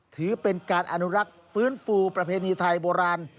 ถือเป็นการอนุรักษ์ฟื้นฟูประเพณีไทยโบราณ